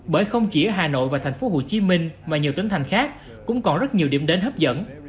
bởi không chỉ ở hà nội và thành phố hồ chí minh mà nhiều tỉnh thành khác cũng còn rất nhiều điểm đến hấp dẫn